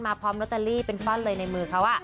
พร้อมลอตเตอรี่เป็นฟั่นเลยในมือเขา